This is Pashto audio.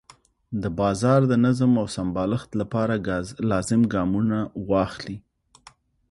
د بازار د نظم او سمبالښت لپاره لازم ګامونه واخلي.